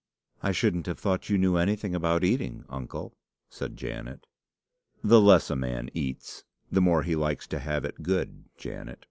"I shouldn't have thought you knew anything about eating, uncle," said Janet. "The less a man eats, the more he likes to have it good, Janet.